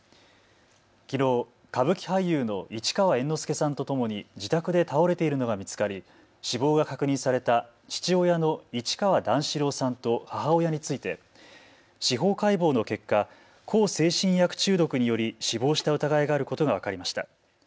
きのう歌舞伎俳優の市川猿之助さんとともに自宅で倒れているのが見つかり死亡が確認された父親の市川段四郎さんと母親について司法解剖の結果、向精神薬中毒により死亡した疑いがあることが分かりました。